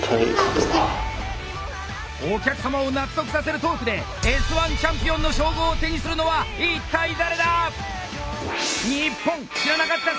お客さまを納得させるトークで「Ｓ−１」チャンピオンの称号を手にするのは一体誰だ！